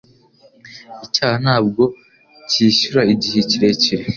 Icyaha ntabwo cyishyura igihe kirekire